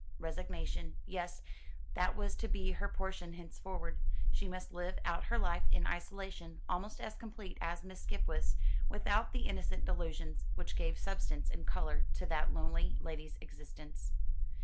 Resignation. Yes, that was to be her portion henceforward. She must live out her life, in isolation almost as complete as Miss Skipwith's, without the innocent delusions which gave substance and colour to that lonely lady's existence.